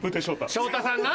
昇太さんな。